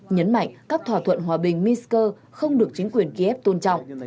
nhấn mạnh các thỏa thuận hòa bình minsk không được chính quyền kiev tôn trọng